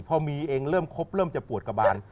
พอมีเองเริ่มครบเริ่มจะปวดกระบาน